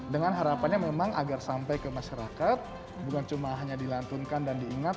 dengan harapannya memang agar sampai ke masyarakat bukan cuma hanya dilantunkan dan diingat